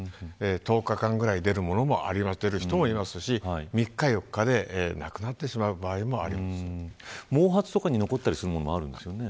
１０日間ぐらい出るものもありますし３日、４日でなくなってしまう毛髪とかに残ったりするものもあるんですよね。